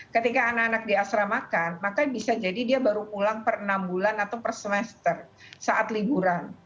ketika anak anak di asramakan maka bisa jadi dia baru pulang per enam bulan atau per semester saat liburan